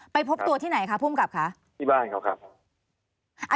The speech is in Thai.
ไปพบตัวที่ไหนคะผู้กำกับคะ